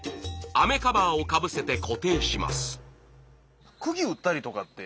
雨カバーをかぶせて固定します。